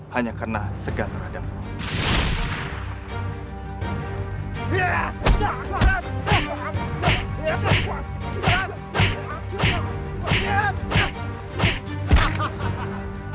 hanya karena segan terhadapmu